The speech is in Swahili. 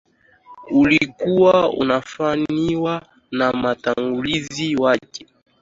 Uliokuwa unafanywa na mtangulizi wake